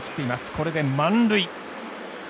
これで満塁。